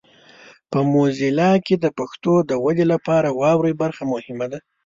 په موزیلا کې د پښتو د ودې لپاره واورئ برخه مهمه ده.